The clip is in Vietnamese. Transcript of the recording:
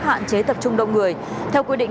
hạn chế tập trung đông người theo quy định